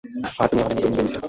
আর তুমি আমাদের নতুন বেবিসিটার।